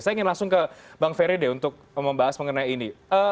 saya ingin langsung ke bang ferry deh untuk membahas mengenai ini